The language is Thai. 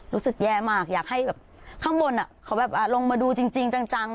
รู้สึกแย่มากอยากให้แบบข้างบนเขาแบบลงมาดูจริงจัง